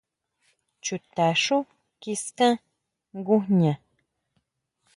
Chuta xú kiskan ngujña.